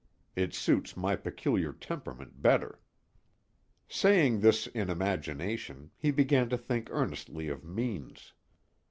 It suits my peculiar temperament better." Saying this in imagination, he began to think earnestly of means.